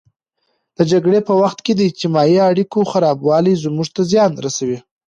د جګړې په وخت کې د اجتماعي اړیکو خرابوالی زموږ ته زیان رسوي.